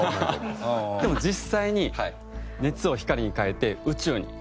でも実際に熱を光に変えて宇宙に逃がしています。